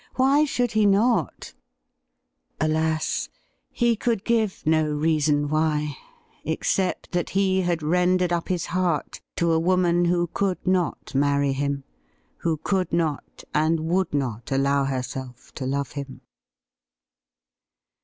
Why should he not ? Alas ! he could give no reason why, except that he had rendered up his heart to a woman who could not marry him, who could not and would not allow herself to love him.